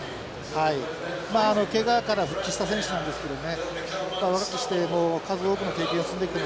けがから復帰した選手なんですけどもね若くして数多くの経験を積んできてますよね。